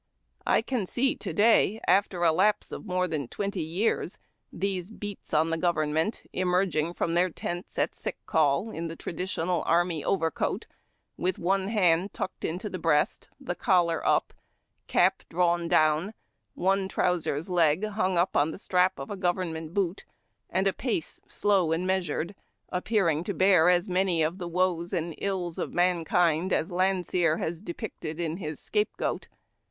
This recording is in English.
I can see to day, after a lapse of more than twenty years, these "beats on the government" emerging from their tents at sick call in the traditional army overcoat, with one hand tucked into the breast, the collar up, cap drawn down, one trousers " FALL IN FOR YOUR QUININE." leg hung up on the strap of a government boot, and a pace slow and measured, appearing to bear as many of the woes and ills of maidvind as Landseer has depicted in his " Scapegoat."